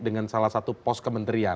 dengan salah satu pos kementerian